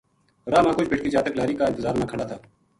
راہ ما کُجھ بیٹکی جاتک لاری کا انتظار ما کھلا تھا